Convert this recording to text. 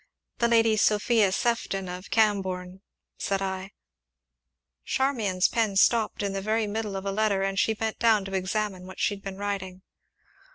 "The Lady Sophia Sefton, of Cambourne," said I. Charmian's pen stopped in the very middle of a letter, and she bent down to examine what she had been writing.